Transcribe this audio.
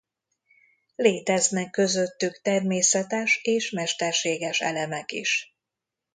Léteznek közöttük természetes és mesterséges elemek is.